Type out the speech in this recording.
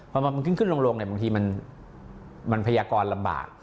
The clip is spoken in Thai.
พอมันขึ้นลงบางทีมันพยากรลำบาก